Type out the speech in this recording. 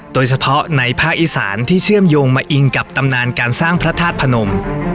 โดยเฉพาะในภาคอีสานที่เชื่อมโยงมาอิงกับตำนานการสร้างพระธาตุพนม